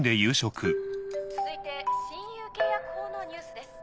続いて親友契約法のニュースです。